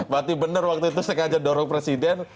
berarti benar waktu itu sengaja dorong presiden